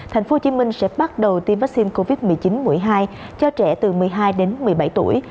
tp hcm sẽ bắt đầu tiêm vaccine covid một mươi chín mũi hai cho trẻ từ một mươi hai đến một mươi bảy tuổi